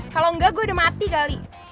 kalau enggak gue udah mati kali